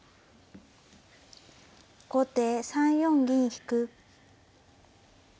後手３四銀引。